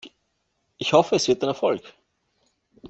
Ich hoffe, es wird ein Erfolg.